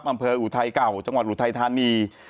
อำเภออุทัยเก่าจังหวัดอุทัยธานี